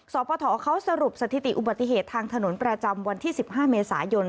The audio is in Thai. ปฐเขาสรุปสถิติอุบัติเหตุทางถนนประจำวันที่๑๕เมษายน